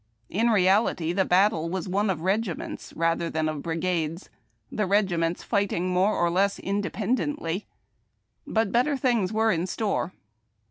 In reality, the battle was one of regiments, rather than of brigades, the regiments fighting more or less independently. But better things were in store.